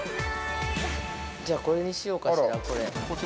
◆じゃあ、これにしようかしら。